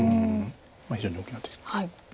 非常に大きな手。